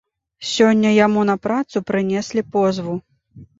Сёння яму на працу прынеслі позву.